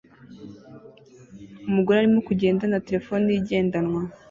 Umugore arimo kugenda na terefone ye igendanwa